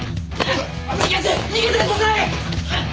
逃げて逃げてください！